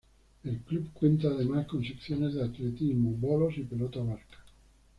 El club cuenta además con secciones de atletismo, bolos y pelota vasca.